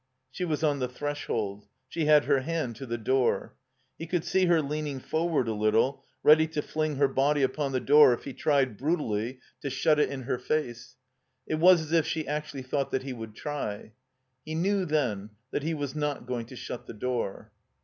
She was on the threshold. She had her hand to the door. He could see her leaning forward a little, ready to fling her body upon the door if he tried, brutally, 376 THE COMBINED MAZE to shut it in her face. It was as if she actually thought that he would try. He knew then that he was not going to shut the door.